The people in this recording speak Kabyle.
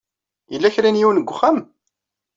Yella kra n yiwen deg uxxam?